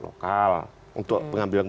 lokal untuk pengambilan